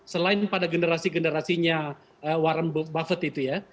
selain pada generasi generasinya warren buffet itu ya